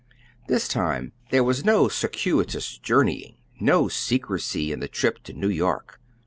This time there was no circuitous journeying, no secrecy in the trip to New York.